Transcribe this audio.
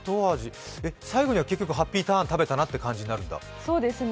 最後には、結局ハッピーターン食べたなという感じなんですか？